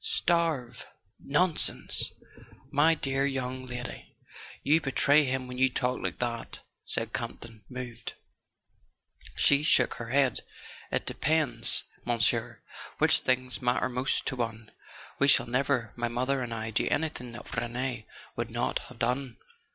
"Starve—nonsense! My dear young lady, you be¬ tray him when you talk like that," said Campton, moved. She shook her head. "It depends, Monsieur, which things matter most to one. We shall never—my mother and I—do anything that Rene would not have done.